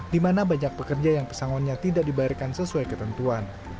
di mana banyak pekerja yang pesangonnya tidak dibayarkan sesuai ketentuan